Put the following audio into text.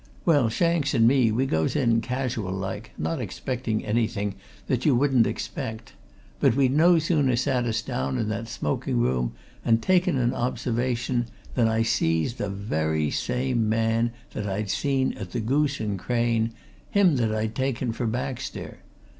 "Well, Shanks and me, we goes in, casual like, not expecting anything that you wouldn't expect. But we'd no sooner sat us down in that smoking room and taken an observation that I sees the very man that I'd seen at the Goose and Crane, him that I'd taken for Baxter.